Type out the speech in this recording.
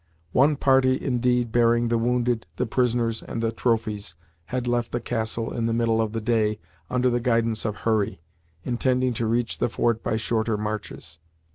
One party, indeed, bearing the wounded, the prisoners, and the trophies, had left the castle in the middle of the day under the guidance of Hurry, intending to reach the fort by shorter marches.